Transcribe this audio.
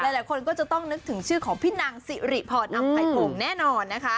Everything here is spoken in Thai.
หลายคนก็จะต้องนึกถึงชื่อของพี่นางสิหรี่พ่อนอำไภโป่งแน่นอน